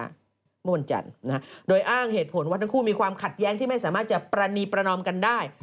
เมื่อวันจันทร์โดยอ้างเหตุผลว่าทั้งคู่มีความขัดแย้งที่ไม่สามารถจะปรณีประนอมกันได้